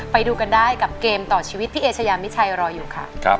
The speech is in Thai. ไปดูกันได้กับเกมต่อชีวิตพี่เอเชยามิชัยรออยู่ค่ะ